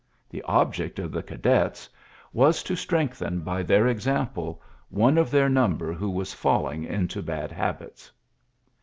The object of the cadets was to ULYSSES S. GROT 19 ngthen, by their example^ one of LT number who was falling into bad its.''